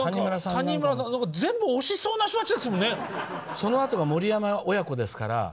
そのあとが森山親子ですから。